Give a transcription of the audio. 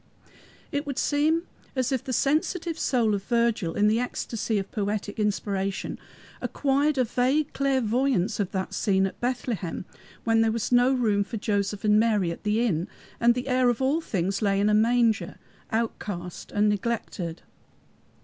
It would seem as if the sensitive soul of Virgil, in the ecstasy of poetic inspiration, acquired a vague clairvoyance of that scene at Bethlehem when there was no room for Joseph and Mary at the inn, and the Heir of all things lay in a manger, outcast and neglected.